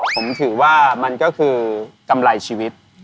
ผมถือว่ามันก็คือกำไรชีวิต